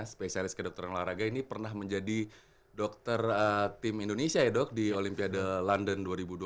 spesialis kedokteran olahraga ini pernah menjadi dokter tim indonesia ya dok di olympiade london